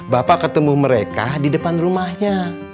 bapak ketemu mereka di depan rumahnya